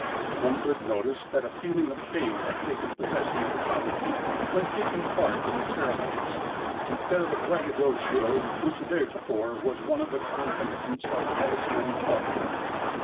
One could notice that a feeling of shame had taken pos session of the common people when taking part in the ceremonies, instead of the braggadocio which theretofore was one of the concomitants of the medicine and club work.